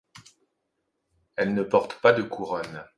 Elle ne porte pas de couronne.